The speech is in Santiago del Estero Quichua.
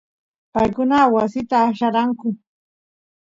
paykuna wasita aqllaranku